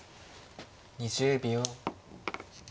２０秒。